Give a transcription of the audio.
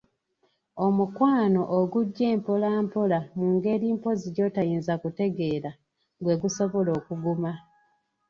Omukwano ogujja empola mpola mu ngeri mpozzi gy'otayinza kutegeera, gwe gusobola okuguma.